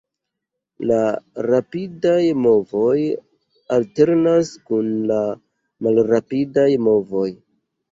La rapidaj movoj alternas kun la malrapidaj movoj.